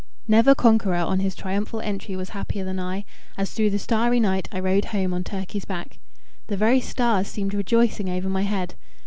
Never conqueror on his triumphal entry was happier than I, as through the starry night I rode home on Turkey's back. The very stars seemed rejoicing over my head.